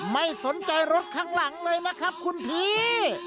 ไม่สนใจรถข้างหลังเลยนะครับคุณพี่